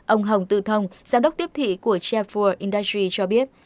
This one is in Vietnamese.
ông hồng tự thông giám đốc tiếp thị của chef for industry cho biết